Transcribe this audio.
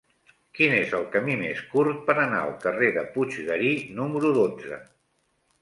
Quin és el camí més curt per anar al carrer de Puiggarí número dotze?